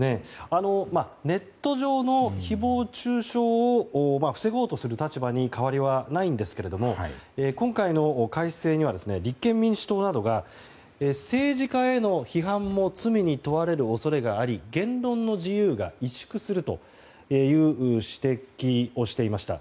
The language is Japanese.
ネット上の誹謗中傷を防ごうとする立場に変わりはないんですけれども今回の改正には立憲民主党などが政治家への批判も罪に問われる恐れがあり言論の自由が委縮するという指摘をしていました。